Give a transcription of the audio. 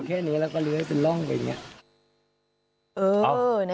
มันเป็นแค่เนื้อแล้วก็เหลือเป็นร่องใช่ไหน